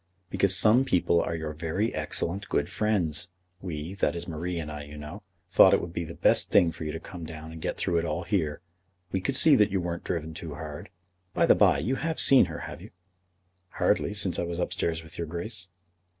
"Because some people are your very excellent good friends. We, that is, Marie and I, you know, thought it would be the best thing for you to come down and get through it all here. We could see that you weren't driven too hard. By the bye, you have hardly seen her, have you?" "Hardly, since I was upstairs with your Grace."